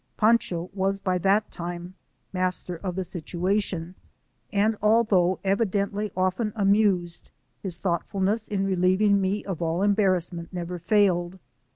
Pancho was by that time master of the situation, and although evidently often amused, his thoughtfulness in relieving me of all embarrassment never failed.